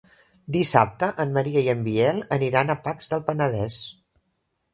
Dissabte en Maria i en Biel aniran a Pacs del Penedès.